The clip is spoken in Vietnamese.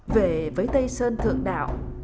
về với tây sơn thượng đạo